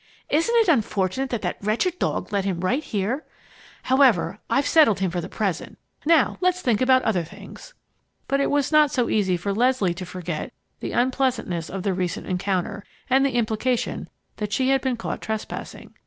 Isn't it unfortunate that that wretched dog led him right here! However, I've settled him for the present, and now let's think about other things." But it was not so easy for Leslie to forget the unpleasantness of the recent encounter and the implication that she had been caught trespassing.